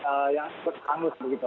yang ikut hangus begitu